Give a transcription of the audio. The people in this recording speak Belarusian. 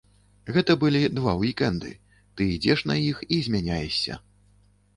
Гэта былі два ўік-энды, ты ідзеш на іх і змяняешся.